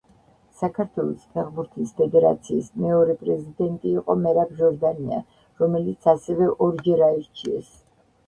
საქართველოს ფეხბურთის ფედერაციის მეორე პრეზიდენტი იყო მერაბ ჟორდანია, რომელიც ასევე ორჯერ აირჩიეს.